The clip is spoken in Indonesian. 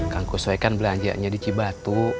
kang kusway kan belanjanya di cibatu